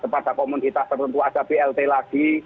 kepada komunitas tertentu ada blt lagi